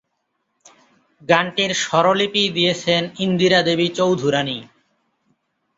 গানটির স্বরলিপি দিয়েছেন ইন্দিরা দেবী চৌধুরানী।